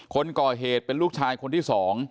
คนก่อเหตุเป็นลูกชายคนที่๒